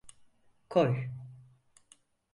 Koy!